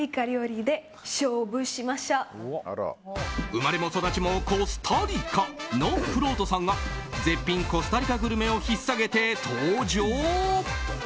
生まれも育ちもコスタリカのくろうとさんが絶品コスタリカグルメを引っ提げて登場。